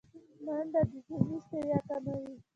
منډه د ذهني ستړیا کموي